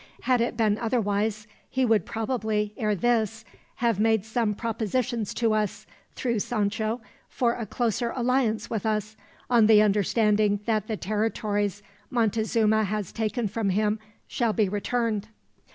Had it been otherwise he would probably, ere this, have made some propositions to us, through Sancho, for a closer alliance with us, on the understanding that the territories Montezuma has taken from him shall be returned.